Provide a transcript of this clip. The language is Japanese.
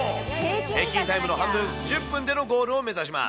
平均タイムの半分、１０分でのゴールを目指します。